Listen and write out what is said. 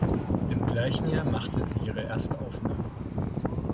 Im gleichen Jahr machte sie ihre erste Aufnahme.